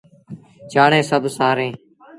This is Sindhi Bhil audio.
چآڙيٚن سڀ سآريٚݩ۔